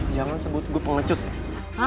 jangan sebut gue pengecut ya